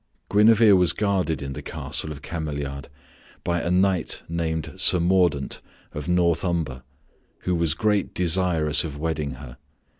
Guinevere was guarded in the castle of Cameliard by a knight named Sir Mordaunt of North Umber who was greatly desirous of wedding her.